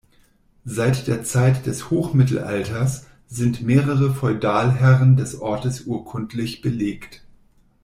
Seit der Zeit des Hochmittelalters sind mehrere Feudalherren des Ortes urkundlich belegt.